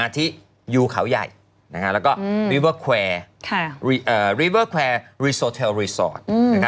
ที่ยูเขาใหญ่แล้วก็ริเวอร์ริเวอร์แควร์รีโซเทลรีสอร์ท